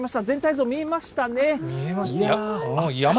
全体像見えましたね。